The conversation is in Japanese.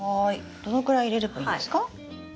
どのくらい入れればいいんですか？